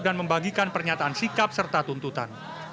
dan membagikan pernyataan sikap serta tuntutan